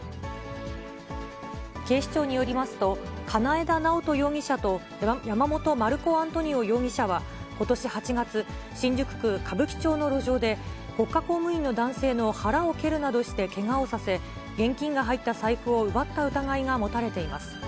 警視庁によりますと、金枝直人容疑者と山本マルコアントニオ容疑者は、ことし８月、新宿区歌舞伎町の路上で、国家公務員の男性の腹を蹴るなどして、けがをさせ、現金が入った財布を奪った疑いが持たれています。